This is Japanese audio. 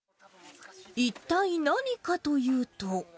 一体何かというと。